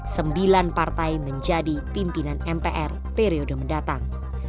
sembilan partai menjadi pimpinan mpr periode mendatang